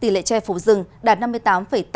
tỷ lệ tre phủ rừng đạt năm mươi tám tám mươi tám